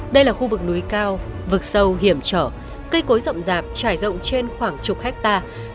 đây là khu vực núi cao vực sâu hiểm trở cây cối rậm rạp trải rộng trên khoảng chục hectare